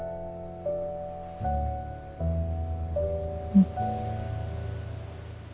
うん。